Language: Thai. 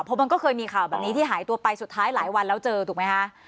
เพราะมันก็เคยมีข่าวแบบนี้ที่หายตัวไปสุดท้ายหลายวันแล้วเจอถูกไหมคะ